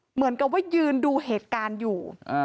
เหมือนกับว่ายืนดูเหตุการณ์อยู่